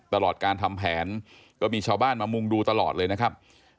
ตลอดการทำแผนก็มีชาวบ้านมามุ่งดูตลอดเลยนะครับ